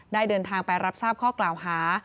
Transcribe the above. เดินทางไปรับทราบข้อกล่าวหา